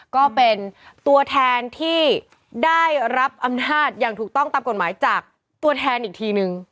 ก็เป็นตัวแทนที่ได้รับอำนาจอย่างถูกต้องตามกฎหมายจากตัวแทนอีกทีนึง